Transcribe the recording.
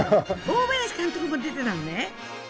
大林監督も出てたのね！